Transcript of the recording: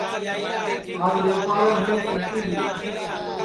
آج ٻیپارے ہوں سوتی تی